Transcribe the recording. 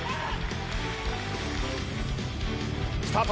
スタート。